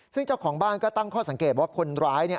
ซึ่งเจ้าของบ้านก็ตั้งข้อสังเกตว่าคนร้าย